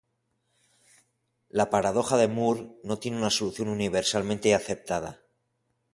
La paradoja de Moore no tiene una solución universalmente aceptada.